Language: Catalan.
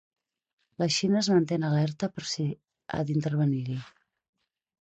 La Xina es manté en alerta per si ha d’intervenir-hi.